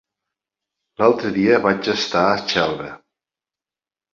L'altre dia vaig estar a Xelva.